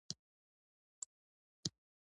لاسونه د طبیعت غږ اوري